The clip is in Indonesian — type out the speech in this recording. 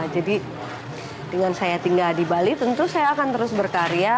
jadi dengan saya tinggal di bali tentu saya akan terus berkarya